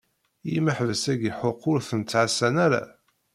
I yimaḥbas-aki ḥuq ur ten-ttɛassan ara?